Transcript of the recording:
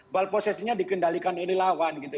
ball possession nya dikendalikan oleh lawan